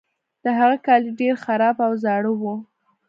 د هغه کالي ډیر خراب او زاړه وو.